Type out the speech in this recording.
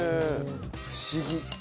不思議。